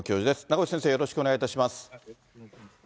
名越先生、よろしくお願いいたします。